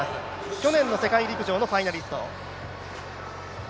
去年の世界陸上のファイナリスト。